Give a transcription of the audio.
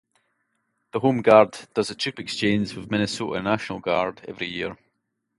The Home Guard does a troop exchange with the Minnesota National Guard every year.